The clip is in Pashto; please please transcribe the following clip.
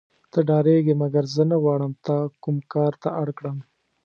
ته ډارېږې مګر زه نه غواړم تا کوم کار ته اړ کړم.